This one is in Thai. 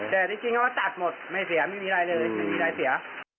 แต่ที่จริงเขาก็ตัดหมดไม่เสียไม่มีอะไรเลยไม่มีอะไรเสีย